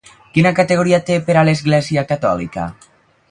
Quina categoria té per a l'Església catòlica?